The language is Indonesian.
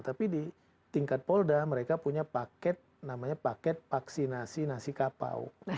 tapi di tingkat polda mereka punya paket namanya paket vaksinasi nasi kapau